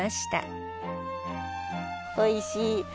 おいしい。